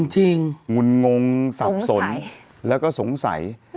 งุ่นงงสับสนแล้วก็สงสัย